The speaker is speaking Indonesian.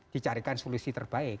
dicarikan solusi terbaik